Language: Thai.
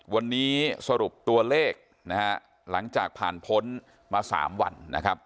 วันนี้สรุปตัวเลขนะฮะหลังจากผ่านพ้นมา๓วันนะครับ